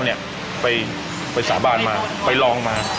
มันไปรองเบียก์มา